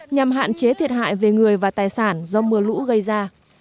nhằm hạn chế thiệt hại về người và tài sản do mưa lũ gây ra